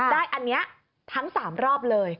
ได้อันนี้ทั้ง๓รอบเลย